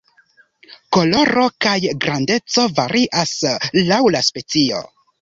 Koloro kaj grandeco varias laŭ la specio.